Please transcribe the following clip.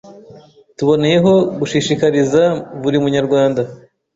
Tuboneyeho gushishikariza buri Munyarwanda